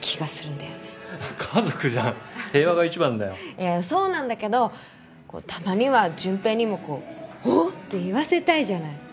いやそうなんだけどたまには純平にもおっ！って言わせたいじゃない。